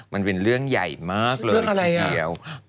มันเป็นเรื่องใหญ่มากเลยทีเดียวเรื่องอะไรอ่ะ